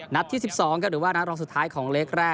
ที่๑๒ครับหรือว่านัดรองสุดท้ายของเล็กแรก